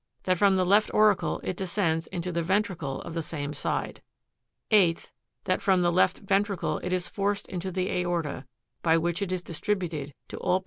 That from the left auricle it descends into the ventricle of the same side ; 8th. That from the left ventricle it is forced into the aorta, by which it is distributed to all parts of the body.